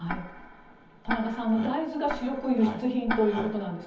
田中さん、大豆が主力の輸出品ということです。